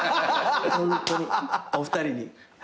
ホントにお二人に。